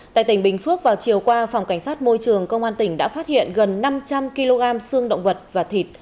tại tỉnh bình phước vào chiều qua phòng cảnh sát môi trường công an tỉnh đã phát hiện gần năm trăm linh kg xương động vật và thịt